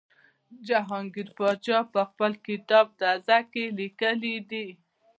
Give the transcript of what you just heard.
جهانګیر پادشاه په خپل کتاب تزک کې لیکلي دي.